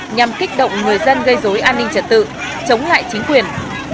nhằm kích động người dân gây dối an ninh trật tự chống lại chính quyền